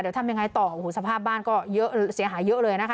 เดี๋ยวทำยังไงต่อโอ้โหสภาพบ้านก็เยอะเสียหายเยอะเลยนะคะ